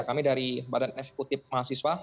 kami dari badan eksekutif mahasiswa